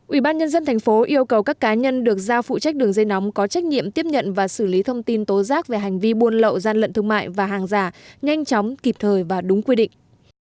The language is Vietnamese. ubnd tp yêu cầu các cá nhân được giao phụ trách đường dây nóng có trách nhiệm tiếp nhận và xử lý thông tin tố giác về hành vi buôn lậu gian lận thương mại và hàng giả nhanh chóng kịp thời và đúng quy định